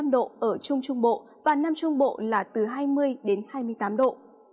một mươi bảy hai mươi năm độ ở trung trung bộ và nam trung bộ là từ hai mươi hai mươi tám độ